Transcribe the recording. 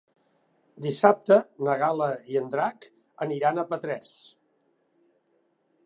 Dissabte na Gal·la i en Drac aniran a Petrés.